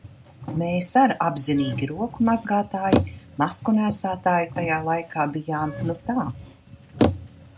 Mēs ar apzinīgi roku mazgātāji, masku nēsātāji tajā laikā bijām. Nu tā!